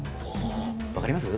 わかります？